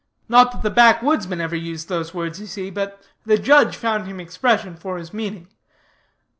"Not that the backwoodsman ever used those words, you see, but the judge found him expression for his meaning.